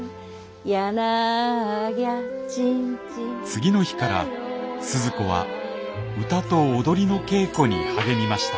次の日から鈴子は歌と踊りの稽古に励みました。